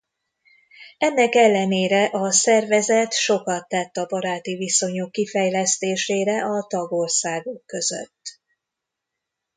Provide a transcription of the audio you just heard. Ennek ellenére a szervezet sokat tett a baráti viszonyok kifejlesztésére a tagországok között.